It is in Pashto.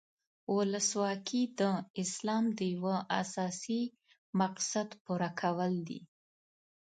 ولسواکي د اسلام د یو اساسي مقصد پوره کول دي.